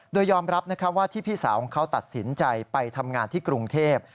โดยยอมรับว่าที่พี่สาวของเขาตัดสินใจไปทำงานที่กรุงเทพ